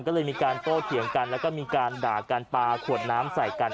ก็เลยมีการโต้เถียงกันแล้วก็มีการด่ากันปลาขวดน้ำใส่กัน